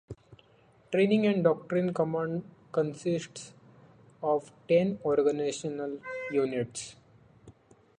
Training and Doctrine Command consists of ten organizational units.